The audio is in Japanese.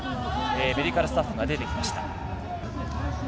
メディカルスタッフが出てきました。